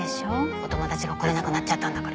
お友達が来れなくなっちゃったんだから。